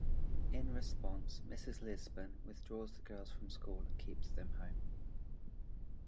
In response, Mrs. Lisbon withdraws the girls from school and keeps them home.